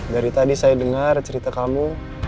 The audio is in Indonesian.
dari tadi saya dengar cerita kamu